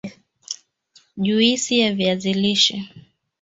juisi ya viazi lishe